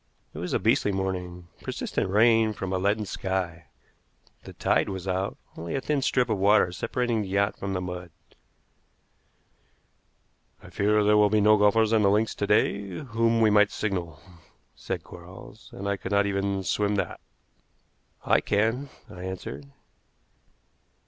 It was a beastly morning, persistent rain from a leaden sky. The tide was out, only a thin strip of water separating the yacht from the mud. "I fear there will be no golfers on the links to day to whom we might signal," said Quarles; "and I could not even swim that." "I can," I answered.